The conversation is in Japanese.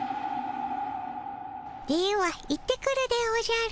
では行ってくるでおじゃる。